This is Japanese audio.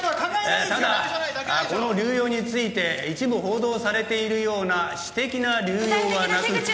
ただこの流用について一部報道されているような私的な流用はなく。